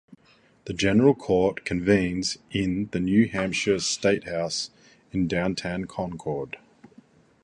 The General Court convenes in the New Hampshire State House in downtown Concord.